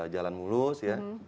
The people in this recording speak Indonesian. jalan mulus ya